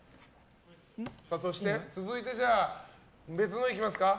続いて別のいきますか。